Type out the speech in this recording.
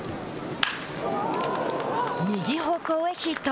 右方向へヒット。